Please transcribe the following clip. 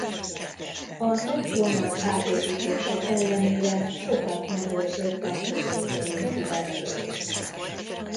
A templom az átépítések ellenére sokat megőrzött a középkori épületből.